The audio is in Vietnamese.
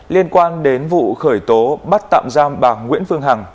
liên quan đến vụ khởi tố bắt tạm giam bà nguyễn phương hằng